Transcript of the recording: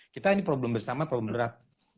kita ini problem bersama problem draft